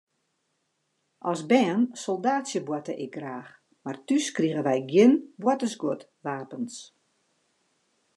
As bern soldaatsjeboarte ik graach, mar thús krigen wy gjin boartersguodwapens.